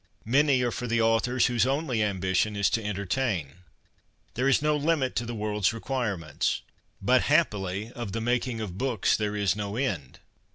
Many are for the authors whose only ambition is to entertain. There is no limit to the world's requirements. But, happily, ' of the making of books there is no end.'